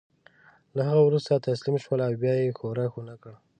له هغه وروسته تسلیم شول او بیا یې ښورښ ونه کړ.